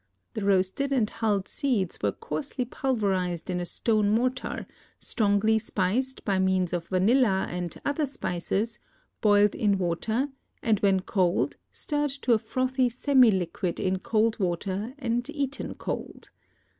The roasted and hulled seeds were coarsely pulverized in a stone mortar, strongly spiced by means of vanilla and other spices, boiled in water and when cold stirred to a frothy semi liquid in cold water and eaten cold.